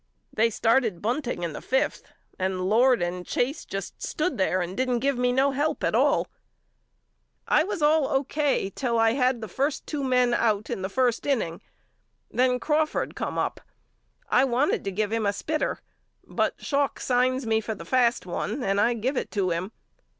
They started bunting in the fifth and Lord and Chase just stood there and didn't give me no help at all. I was all Q, K. till I had the first two men out A BUSKER'S LETTERS HOME 39 in the first inning. Then Crawford come up. I wanted to give him a spitter but Schalk signs me for the fast one and I give it to him.